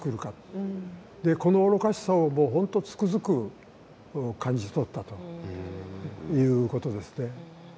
でこの愚かしさをもう本当つくづく感じ取ったということですね。